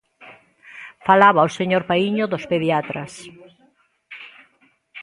Falaba o señor Paíño dos pediatras.